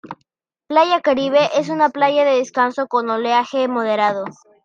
Playa Caribe es una playa de descanso con oleaje moderado.